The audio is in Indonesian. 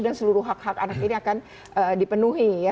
seluruh hak hak anak ini akan dipenuhi ya